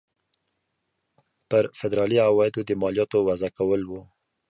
پر فدرالي عوایدو د مالیاتو وضع کول وو.